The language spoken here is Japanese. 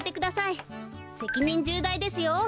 せきにんじゅうだいですよ！